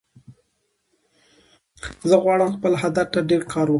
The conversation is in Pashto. زه غواړم خپل هدف ته ډیر کار وکړم